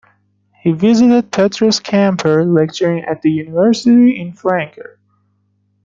He visited Petrus Camper lecturing at the University in Franeker.